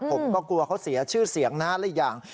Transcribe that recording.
ผมก็กลัวเขาเสียชื่อเสียงนะและอีกอย่าง